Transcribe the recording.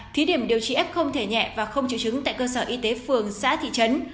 thí điểm điều trị f không thể nhẹ và không chịu chứng tại cơ sở y tế phường xã thị trấn